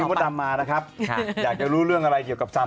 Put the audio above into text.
มดดำมานะครับค่ะอยากจะรู้เรื่องอะไรเกี่ยวกับซำ